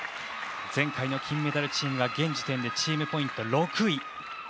前回の金メダルチームが現時点でチームポイント６位。